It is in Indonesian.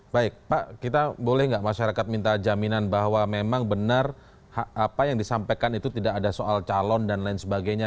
baik pak kita boleh nggak masyarakat minta jaminan bahwa memang benar apa yang disampaikan itu tidak ada soal calon dan lain sebagainya